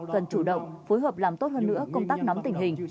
cần chủ động phối hợp làm tốt hơn nữa công tác nắm tình hình